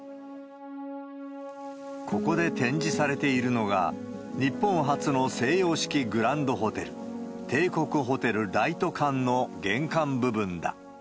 ここで展示されているのが、日本初の西洋式グランドホテル、帝国ホテル・ライト館の玄関部分だ。